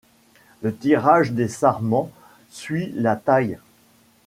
Le tirage des sarments suit la taille.